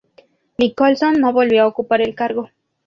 Nicholson no volvió a ocupar el cargo.